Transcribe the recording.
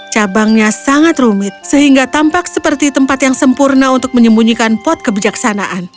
cabangnya sangat rumit sehingga tampak seperti tempat yang sempurna untuk menyembunyikan pot kebijaksanaan